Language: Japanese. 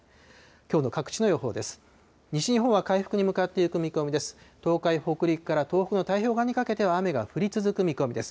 きょうの各地の予報です。